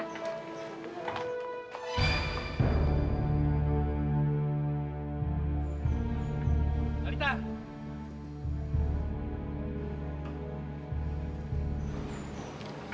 aku mau cari raka